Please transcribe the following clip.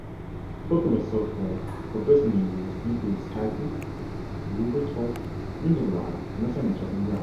Popular software for personal use includes Skype, Google Talk, Windows Live Messenger and Yahoo!